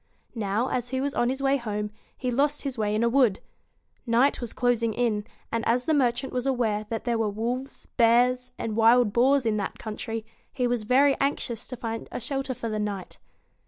Now, as he was on his way home, he lost his way in a wood. Night was closing in, and as the merchant was aware that there were wolves, bears, and wild boars in that country, he was very anxious to find a shelter for the night.